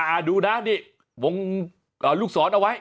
ดูนะนี่วงลูกศรเอาไว้